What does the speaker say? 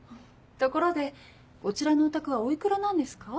ところでこちらのお宅はお幾らなんですか？